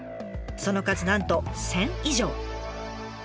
その数なんと１，０００以上。